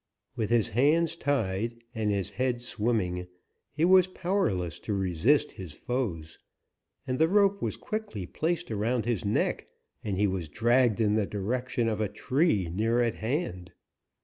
With his hands tied, and his head swimming, he was powerless to resist his foes, and the rope was quickly placed around his neck and he was dragged in the direction of a tree near at hand.